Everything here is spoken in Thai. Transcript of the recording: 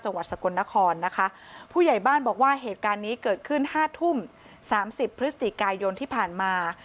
จังหวัดสกลนครนะคะผู้ใหญ่บ้านบอกว่าเหตุการณ์นี้เกิดขึ้นห้าทุ่มสามสิบพฤศจิกายนที่ผ่านมา